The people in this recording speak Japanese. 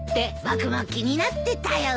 僕も気になってたよ。